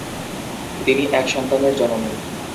তিনি এক সন্তানের জননী।